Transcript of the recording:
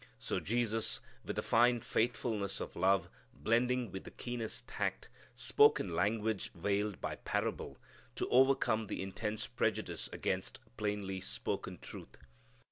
So Jesus, with the fine faithfulness of love blending with the keenest tact, spoke in language veiled by parable to overcome the intense prejudice against plainly spoken truth.